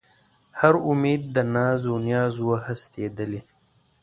هر اُمید د ناز و نیاز و هستېدلی